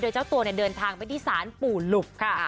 เจ้าตัวเดินทางไปที่ศาลปู่หลุบค่ะ